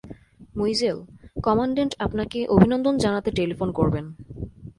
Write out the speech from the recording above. মুইজেল, commandant আপনাকে অভিনন্দন জানাতে টেলিফোন করবেন।